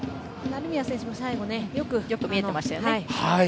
成宮選手も最後よく見えていましたね。